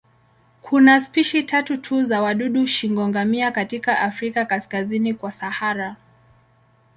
Kuna spishi tatu tu za wadudu shingo-ngamia katika Afrika kaskazini kwa Sahara.